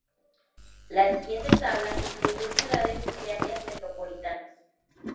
La siguiente tabla incluye ciudades y áreas metropolitanas.